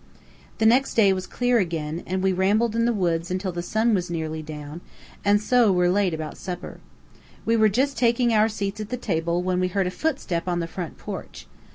The next day was clear again, and we rambled in the woods until the sun was nearly down, and so were late about supper. We were just taking our seats at the table when we heard a footstep on the front porch.